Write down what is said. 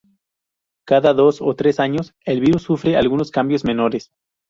Cada dos o tres años, el virus sufre algunos cambios menores.